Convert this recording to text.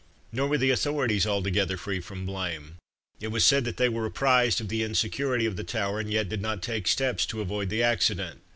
Nor were the authorities altogether free from blame. It was said that they were apprised of the insecurity of the tower, and yet did not take steps to avoid the accident.